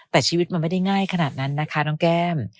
แต่ชีวิตมันไม่ได้ง่ายขนาดนั้นนะคะน้องแก้ม